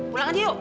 pulang aja yuk